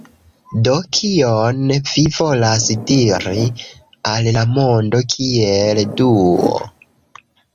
Do, kion vi volas diri al la mondo kiel Duo?